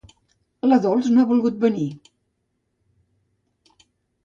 La Dols no ha volgut venir.